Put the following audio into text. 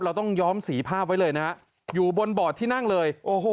เราต้องย้อมสีภาพไว้เลยนะฮะอยู่บนบอร์ดที่นั่งเลยโอ้โห